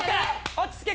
落ち着け！